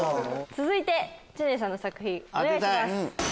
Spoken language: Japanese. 続いて知念さんの作品お願いします。